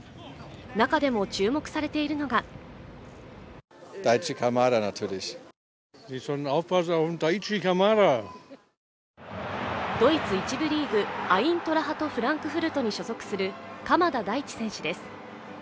中でも注目されているのがドイツ１部リーグアイントラハトフランクフルトに所属する鎌田大地選手です